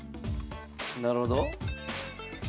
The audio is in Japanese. なるほど？